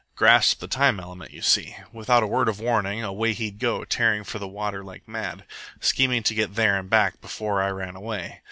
Grasped the time element, you see. Without a word of warning, away he'd go, tearing for the water like mad, scheming to get there and back before I ran away.